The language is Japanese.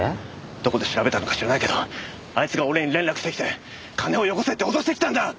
どこで調べたのか知らないけどあいつが俺に連絡してきて金をよこせって脅してきたんだ！